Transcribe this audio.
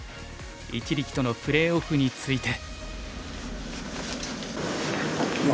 一力とのプレーオフについて。